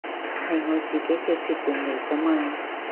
係我自己嘅決定嚟㗎嘛